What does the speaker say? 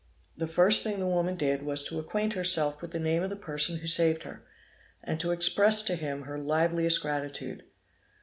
The first thing the woman did was to acquaint herself with the name of the person who saved her, and to express to him her liveliest gratitude.